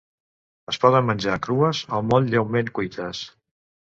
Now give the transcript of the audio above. Es poden menjar crues o molt lleument cuites.